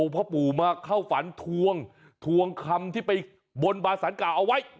พ่อปู่มาเข้าฝันทวงทวงคำที่ไปบนบาสารเก่าเอาไว้